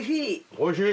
おいしい！